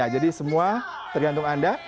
jadi semua tergantung anda